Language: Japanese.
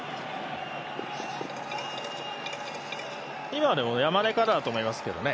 今のは山根からだと思いますけどね。